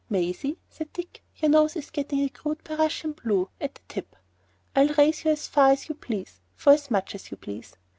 "Maisie," said Dick, "your nose is getting a crude Prussian blue at the tip. I'll race you as far as you please for as much as you please."